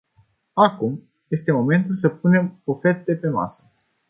Acum este momentul să punem oferte pe masă.